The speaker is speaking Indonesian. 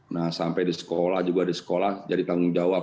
nah sampai di sekolah juga di sekolah jadi tanggung jawab